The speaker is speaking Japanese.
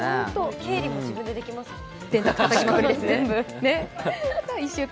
経理の仕事もできますもんね。